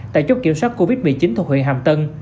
tại chốt kiểm soát covid một mươi chín thuộc huyện hàm tân